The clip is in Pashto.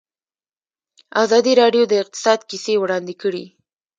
ازادي راډیو د اقتصاد کیسې وړاندې کړي.